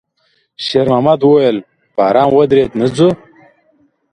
شېرمحمد وويل: «باران ودرېد، نه ځو؟»